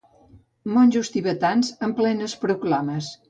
Monjos tibetans en plenes proclames.